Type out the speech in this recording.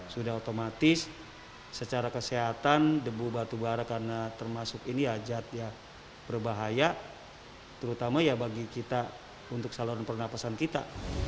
sudah otomatis secara kesehatan debu batubara karena termasuk ini ya jad ya berbahaya terutama ya bagi kita untuk saluran pernapasan kita